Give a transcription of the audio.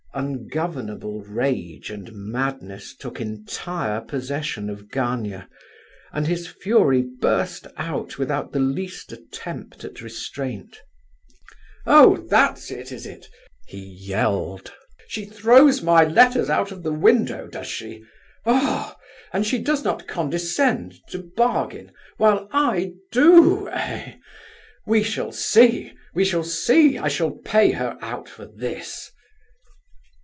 Ungovernable rage and madness took entire possession of Gania, and his fury burst out without the least attempt at restraint. "Oh! that's it, is it!" he yelled. "She throws my letters out of the window, does she! Oh! and she does not condescend to bargain, while I do, eh? We shall see, we shall see! I shall pay her out for this."